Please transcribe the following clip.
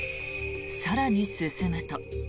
更に進むと。